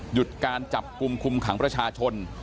หยุดการจับกลุ่มคุมขังประชาชน